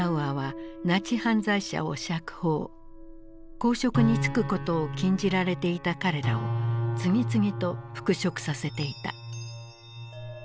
公職に就くことを禁じられていた彼らを次々と復職させていた。